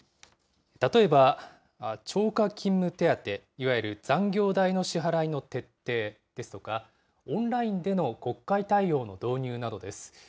例えば、超過勤務手当、いわゆる残業代の支払いの徹底ですとか、オンラインでの国会対応の導入などです。